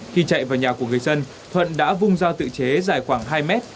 khi chạy vào nhà của người dân thuận đã vung dao tự chế dài khoảng hai mét